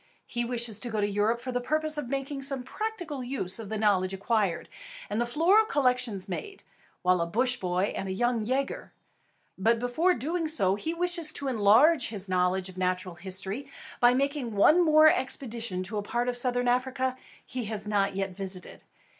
He wishes to go to Europe for the purpose of making some practical use of the knowledge acquired, and the floral collections made, while a Bush Boy and a Young Yager. But before doing so, he wishes to enlarge his knowledge of natural history by making one more expedition to a part of Southern Africa he has not yet visited.